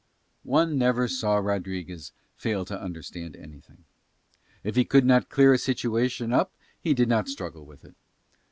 One never saw Rodriguez fail to understand anything: if he could not clear a situation up he did not struggle with it.